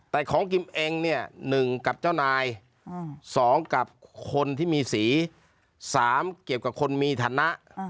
แต่ของกิมเองเนี่ย๑กับเจ้านาย๒กับคนที่มีสี๓เกี่ยวกับคนมีฐานะ